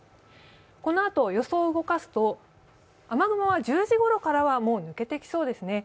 このあと予想を動かすと、雨雲は１０時ごろからはもう抜けてきそうですね。